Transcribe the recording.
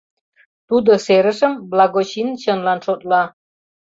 Тудо серышым благочин чынлан шотла...»